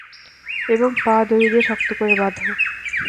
এবং পা দড়ি দিয়ে শক্ত করে বাঁধা।